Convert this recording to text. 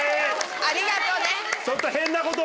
ありがとね。